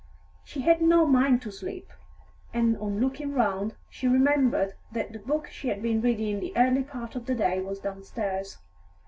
She had no mind to sleep, and on looking round, she remembered that the book she had been reading in the early part of the day was downstairs.